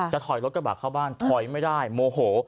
ถอยรถกระบะเข้าบ้านถอยไม่ได้โมโห